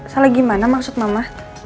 salah gimana maksud mama